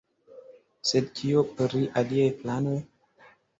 Sed kio pri aliaj planoj?